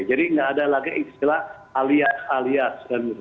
jadi gak ada lagi istilah alias alias